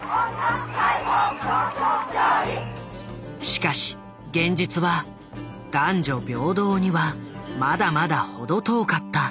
しかし現実は男女平等にはまだまだ程遠かった。